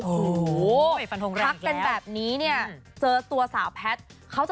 โอ้โหฟันทงแรงอีกแล้ว